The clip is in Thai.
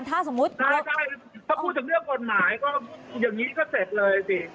ใช่ถ้าพูดถึงเรื่องกฎหมายอย่างนี้ก็เสร็จเลยซิ